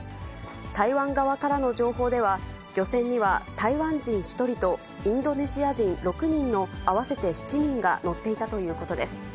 台湾側からの情報では、漁船には台湾人１人と、インドネシア人６人の合わせて７人が乗っていたということです。